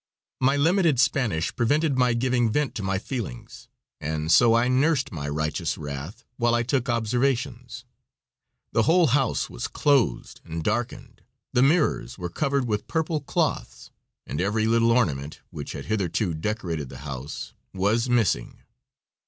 My limited Spanish prevented my giving vent to my feelings, and so I nursed my righteous wrath while I took observations. The whole house was closed and darkened, the mirrors were covered with purple cloths, and every little ornament, which had hitherto decorated the house, was missing.